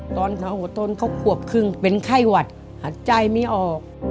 ตอนน้องอดทนเขาหวบครึ่งเป็นไข้หวัดหัดใจไม่ออก